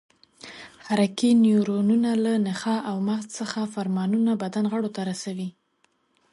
حرکي نیورونونه له نخاع او مغز څخه فرمانونه بدن غړو ته رسوي.